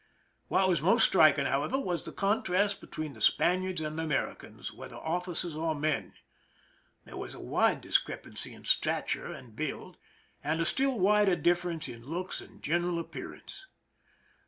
What was most striking, however, was the contrast between the Spaniards and the Americans, whether officers or men. There was a wide dis crepancy in stature and build, and a still wider difference in looks and general appearance.